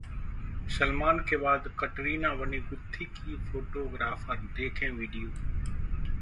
सलमान के बाद कटरीना बनी गुत्थी की फोटोग्राफर, देखें Video